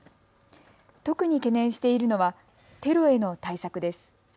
特に懸念しているのはテロへの対策です。